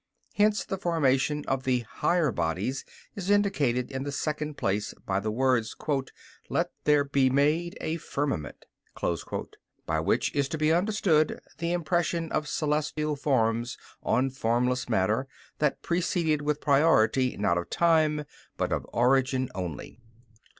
Hence the formation of the higher bodies is indicated in the second place, by the words, "Let there be made a firmament," by which is to be understood the impression of celestial forms on formless matter, that preceded with priority not of time, but of origin only.